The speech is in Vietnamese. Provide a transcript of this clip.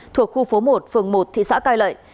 thuộc khu phố một phường một thị xã cai lệ